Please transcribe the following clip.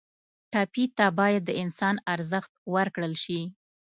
ټپي ته باید د انسان ارزښت ورکړل شي.